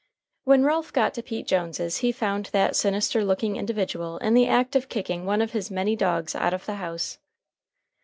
When Ralph got to Pete Jones's he found that sinister looking individual in the act of kicking one of his many dogs out of the house.